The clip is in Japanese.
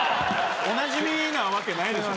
おなじみなわけないでしょ